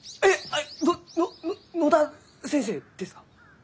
あどのの野田先生ですか？